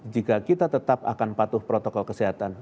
jika kita tetap akan patuh protokol kesehatan